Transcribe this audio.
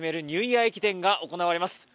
ニューイヤー駅伝が始まります。